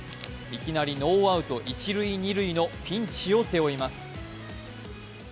いきなりノーアウト一塁・二塁のピンチを背負います。